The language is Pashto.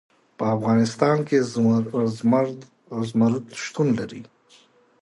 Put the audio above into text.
په افغانستان کې زمرد شتون لري.